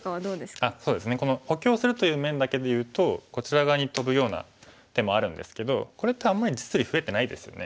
そうですね補強するという面だけでいうとこちら側にトブような手もあるんですけどこれってあんまり実利増えてないですよね。